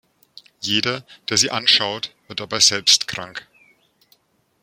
Jeder, der sie anschaut, wird dabei selbst krank.